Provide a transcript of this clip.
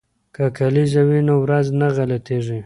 که کلیزه وي نو ورځ نه غلطیږي.